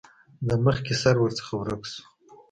د مخکې سر ورڅخه ورک شو.